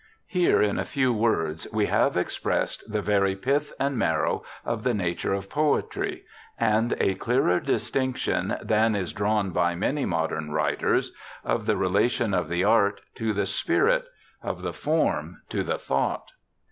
Here, in a few words, we have expressed the very pith and marrow of the nature of poetry, and a clearer distinction than is drawn by many modern writers of the relation of the art to the spirit, of the form to the thought.